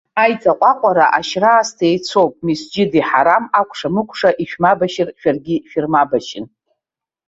Аиҵаҟәаҟәара, ашьра аасҭа еицәоуп. Месџьиди Ҳарам акәша-мыкәша ишәмабашьыр шәаргьы шәырмабашьын.